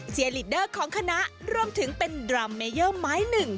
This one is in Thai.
ลีดเดอร์ของคณะรวมถึงเป็นดรัมเมเยอร์ไม้หนึ่ง